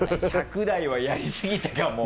「１００台はやりすぎたかも」。